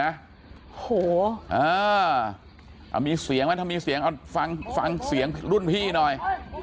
เออเอามีเสียงมั้ยถ้ามีเสียงเอาฟังเสียงรุ่นพี่หน่อย